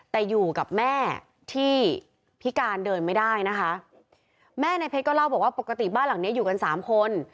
แต่อยู่กับแม่ที่พิการเดินไม่ได้นะคะแม่ในเพชรก็เล่าบอกว่าปกติบ้านหลังเนี้ยอยู่กันสามคน